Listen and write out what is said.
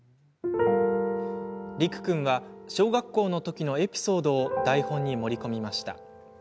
りく君は、小学校のときのエピソードを台本に盛り込みました。